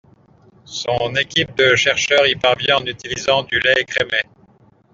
Son équipe de chercheurs y parvient en utilisant du lait écrémé.